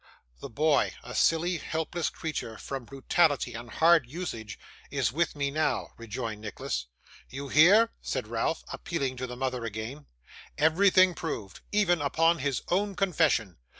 'The boy, a silly, helpless creature, from brutality and hard usage, is with me now,' rejoined Nicholas. 'You hear?' said Ralph, appealing to the mother again, 'everything proved, even upon his own confession.